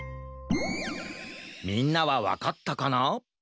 みんなはわかったかな？